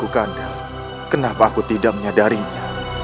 kenapa aku tidak menyadarinya